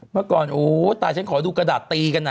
เมื่อก่อนโอ้ตายฉันขอดูกระดาษตีกันนะ